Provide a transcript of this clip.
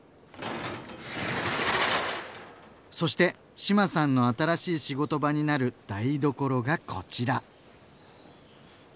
そして志麻さんの新しい仕事場になる台所がこちら。